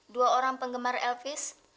dua orang penggemar elvis